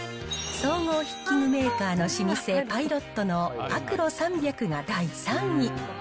総合筆記具メーカーの老舗、パイロットのアクロ３００が第３位。